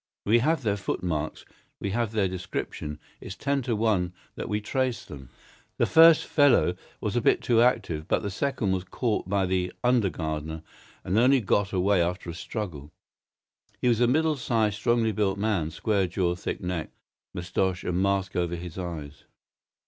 We have their foot marks, we have their description; it's ten to one that we trace them. The first fellow was a bit too active, but the second was caught by the under gardener and only got away after a struggle. He was a middle sized, strongly built man—square jaw, thick neck, moustache, a mask over his eyes."